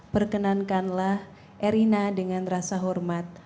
perkenankanlah erina dengan rasa hormat